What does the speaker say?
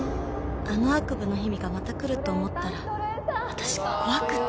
あの悪夢の日々がまた来ると思ったら私怖くって。